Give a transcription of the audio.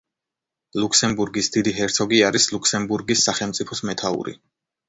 ლუქსემბურგის დიდი ჰერცოგი არის ლუქსემბურგის სახელმწიფოს მეთაური.